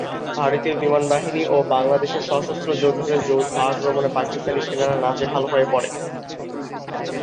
ভারতীয় বিমানবাহিনী ও বাংলাদেশের সশস্ত্র যোদ্ধাদের যৌথ আক্রমণে পাকিস্তানি সেনারা নাজেহাল হয়ে পড়ে।